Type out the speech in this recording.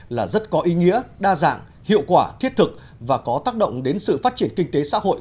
là rất có ý nghĩa đa dạng hiệu quả thiết thực và có tác động đến sự phát triển kinh tế xã hội